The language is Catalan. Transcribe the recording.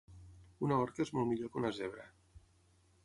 Una orca és molt millor que una zebra